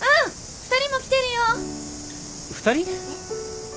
２人？